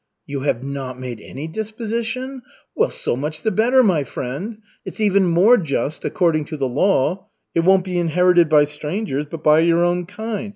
"You have not made any disposition? Well, so much the better, my friend. It's even more just, according to the law. It won't be inherited by strangers, but by your own kind.